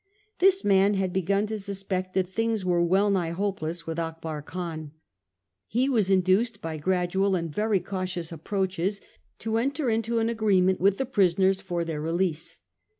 This man had begun to suspect that things were wellnigh hopeless with Akbar Khan. He was induced by gradual and very cautious approaches to enter into an agreement with the prisoners for their release.